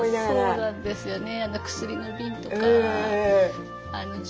そうなんですよね。